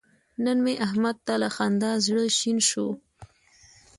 نن مې احمد ته له خندا زړه شین شو.